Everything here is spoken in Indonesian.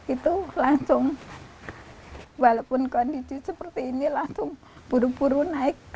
itu langsung walaupun kondisi seperti ini langsung buru buru naik